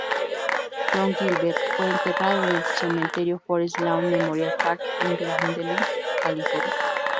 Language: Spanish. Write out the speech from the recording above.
John Gilbert fue enterrado en el cementerio Forest Lawn Memorial Park en Glendale, California.